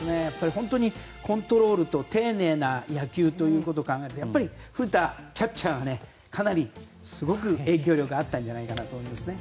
コントロールと丁寧な野球で考えるとやっぱり古田キャッチャーがかなりすごく影響力があったんじゃないかと思うんですね。